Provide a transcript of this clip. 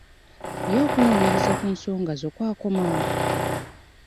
Ye okunoonyerza ku nsonga zo kwakoma wa?